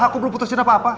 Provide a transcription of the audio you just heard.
aku belum putus ini apa apa